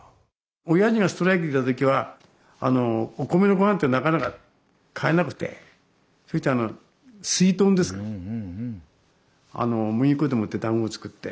おやじがストライキだった時はお米のごはんってなかなか買えなくてそしてすいとんですか麦粉でもってだんご作って。